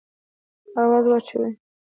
آوازه واچوې.